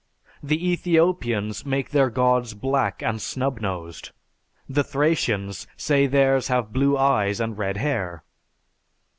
The Ethiopians make their gods black and snub nosed; the Thracians say theirs have blue eyes and red hair."